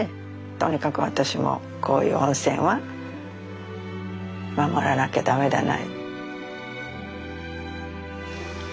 とにかく私もこういう温泉は守らなきゃ駄目だな。